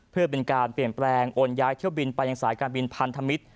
เพื่อเป็นการเปลี่ยนแปลงโอนย้ายเที่ยวบินไปยังสายการบินพันธมิตร